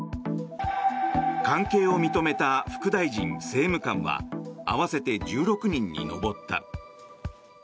関係を認めた副大臣・政務官は合わせて１６人に上った。